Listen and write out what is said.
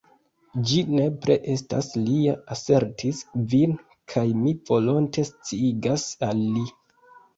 "Ĝi nepre estas lia," asertis Kvin, "kaj mi volonte sciigas al li.